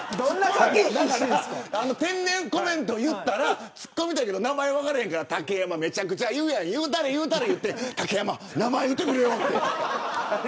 天然コメントを言ったらつっこみたいけど名前が分からないから竹山めちゃくちゃ言うやん言うたれ言うたれって竹山、名前言ってくれよって。